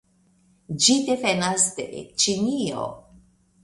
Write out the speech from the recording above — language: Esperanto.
Ĝi devenas de Ĉinio.